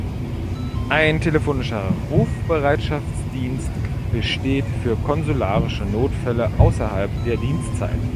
Ein telefonischer Rufbereitschaftsdienst besteht für konsularische Notfälle außerhalb der Dienstzeit.